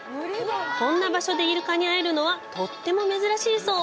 こんな場所でイルカに会えるのはとっても珍しいそう。